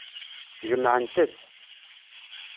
Jemɛent-tt.